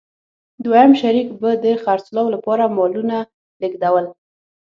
دویم شریک به د خرڅلاو لپاره مالونه لېږدول.